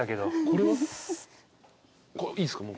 これは？いいっすか？